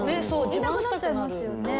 言いたくなっちゃいますよね。